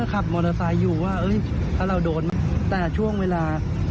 ขับมอเตอร์ไซค์อยู่ว่าแล้วเราโดนแต่ช่วงเวลา